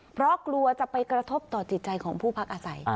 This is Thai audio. เพราะกลัวจะไปกระทบต่อจิตใจของผู้พักอาศัย